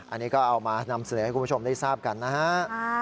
อันนี้ก็เอามานำเสนอให้คุณผู้ชมได้ทราบกันนะฮะ